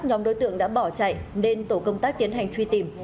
nhóm đối tượng đã bỏ chạy nên tổ công tác tiến hành truy tìm